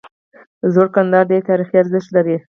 زوړ کندهار ډیر تاریخي ارزښت لري